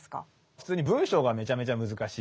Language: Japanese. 普通に文章がめちゃめちゃ難しい。